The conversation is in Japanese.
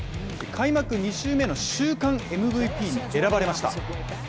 開幕２週目の週間ＭＶＰに選ばれました。